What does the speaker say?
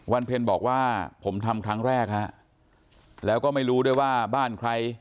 เพลบอกว่าผมทำครั้งแรกฮะแล้วก็ไม่รู้ด้วยว่าบ้านใคร